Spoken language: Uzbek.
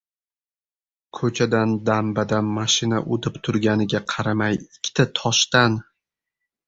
Ko‘chadan dam-badam mashina o‘tib turganiga qaramay ikkita toshdan